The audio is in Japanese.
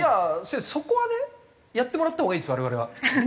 いやそこはねやってもらったほうがいいです我々は。